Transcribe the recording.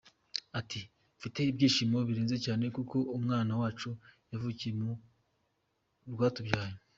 Ati: Mfite ibyishimo birenze cyane kuko umwana wacu yavukiye mu rwatubyaye.